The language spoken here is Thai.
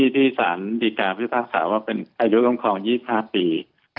ที่สารดีการ์ภิพศาสตร์ว่าเป็นอายุกำคอง๒๕ปี